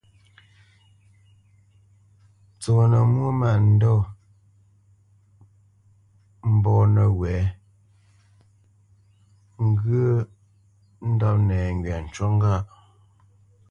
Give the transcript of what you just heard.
Ntsónə́ mwô mândɔ̂ mbɔ̂ nəwɛ̌, ŋgyə̂ ndɔ́p nɛŋgywa ncú ŋgâʼ.